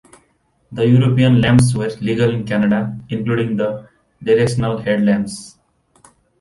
The European lamps were legal in Canada, including the directional headlamps.